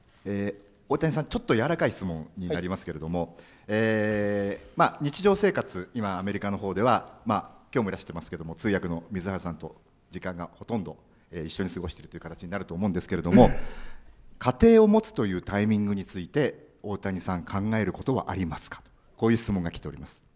大谷さん、ちょっと柔らかい質問になりますけれども、日常生活、今アメリカのほうでは、きょうもいらしていますけれども、通訳の水原さんと一緒に過ごしているという形なると思うんですけれども、家庭を持つというタイミングについて、大谷さん、考えることはありますか。